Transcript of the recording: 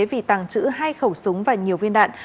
vì tàng trữ hai khẩu súng và nhiều viên đạn